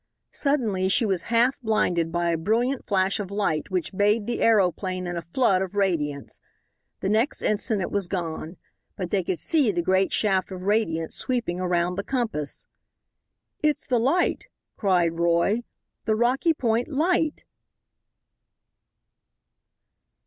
Suddenly she was half blinded by a brilliant flash of light which bathed the aeroplane in a flood of radiance. The next instant it was gone, but they could see the great shaft of radiance sweeping around the compass. "It's the light!" cried Roy. "The Rocky Point light!"